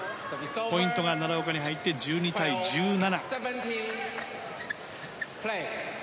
ポイントが奈良岡に入って１２対１７。